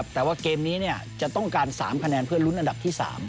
แต่ว่าเกมนี้จะต้องการ๓คะแนนเพื่อลุ้นอันดับที่๓